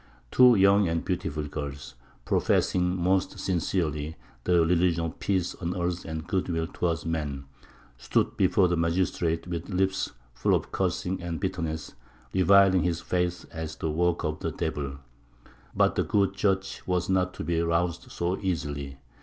Two young and beautiful girls, professing most sincerely the religion of "peace on earth and goodwill towards men," stood before the magistrate with lips full of cursing and bitterness, reviling his faith as "the work of the devil." But the good judge was not to be roused so easily.